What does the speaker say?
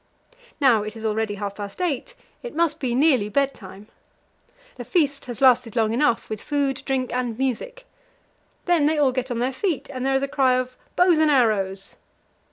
Now it is already half past eight, it must be nearly bed time. The feast has lasted long enough, with food, drink, and music. Then they all get on their feet, and there is a cry of "Bow and arrows."